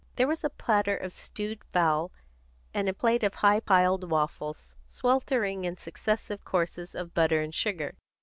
There was a platter of stewed fowl, and a plate of high piled waffles, sweltering in successive courses of butter and sugar.